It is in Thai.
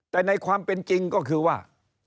แต่ในความเป็นจริงก็คือว่า